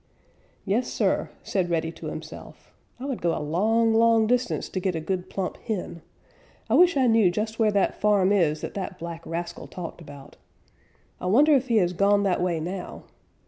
"Yes, Sir," said Reddy to himself, "I would go a long, long distance to get a good plump hen. I wish I knew just where that farm is that that black rascal talked about. I wonder if he has gone that way now.